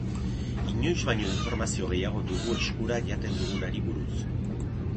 Inoiz baino informazio gehiago dugu eskura jaten dugunari buruz.